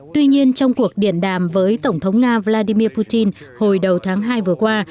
tuy nhiên trong cuộc điện đàm với tổng thống nga vladimir putin hồi đầu tháng hai vừa qua